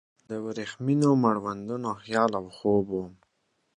د وریښمینو مړوندونو خیال او خوب وم